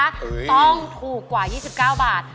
ถูกต้องถูกกว่า๒๙บาท